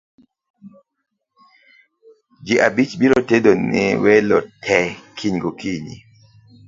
Ji abich biro tedo ne welo tee kiny go kinyi